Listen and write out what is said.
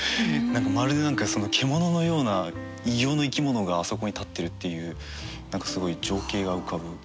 まるで何か獣のような異形の生き物があそこに立ってるっていう何かすごい情景が浮かぶ。